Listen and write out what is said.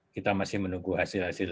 kita masih menunggu hasil hasil